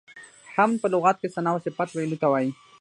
حمد په لغت کې ثنا او صفت ویلو ته وایي.